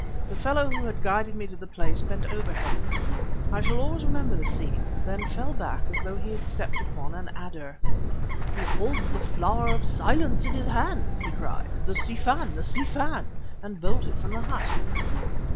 The fellow who had guided me to the place bent over him I shall always remember the scene then fell back as though he had stepped upon an adder. "'He holds the Flower Silence in his hand!' he cried 'the Si Fan! the Si Fan!' and bolted from the hut."